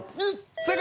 正解！